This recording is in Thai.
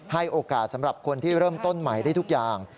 ให้โอกาสสำหรับคนที่เริ่มต้นใหม่ได้ทุกอย่าง